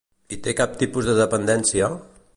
I té cap tipus de dependència?